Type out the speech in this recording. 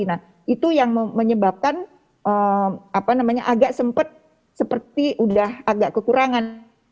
nah itu yang menyebabkan agak sempat seperti udah agak kekurangan